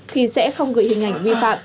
thì sẽ không gửi hình ảnh vi phạm